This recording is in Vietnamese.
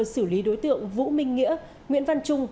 xử lý đối tượng vũ minh nghĩa nguyễn văn trung